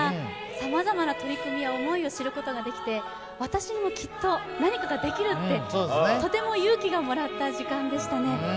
さまざまな取り組みや思いを知ることができて私にもきっと何かができるって、とても勇気をもらった時間でした。